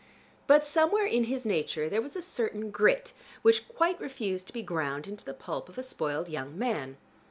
But somewhere in his nature there was a certain grit which quite refused to be ground into the pulp of a spoiled young man.